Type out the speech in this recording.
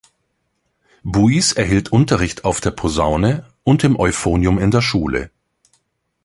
Buis erhielt Unterricht auf der Posaune und dem Euphonium in der Schule.